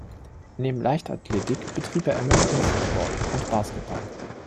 Neben Leichtathletik betrieb er American Football und Basketball.